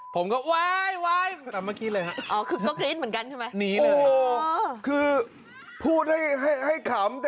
ผมก็ว่าเอามากินเลยค่ะ